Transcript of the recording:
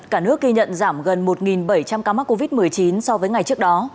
cả nước ghi nhận giảm gần một bảy trăm linh ca mắc covid một mươi chín so với ngày trước đó